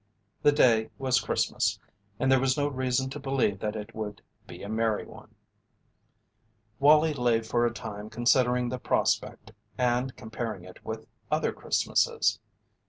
The day was Christmas, and there was no reason to believe that it would be a merry one. Wallie lay for a time considering the prospect and comparing it with other Christmases.